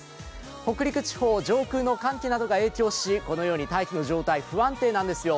北陸地方、上空の寒気などが影響しこのように大気の状態、不安定なんですよ。